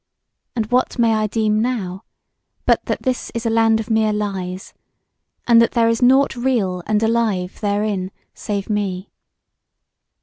And what may I deem now, but that this is a land of mere lies, and that there is nought real and alive therein save me.